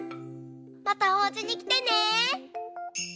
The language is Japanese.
またおうちにきてね。